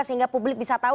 sehingga publik bisa tahu